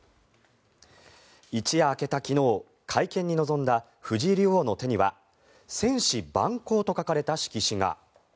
一夜明けた昨日会見に臨んだ藤井竜王の手には「千思万考」と書かれた色紙が。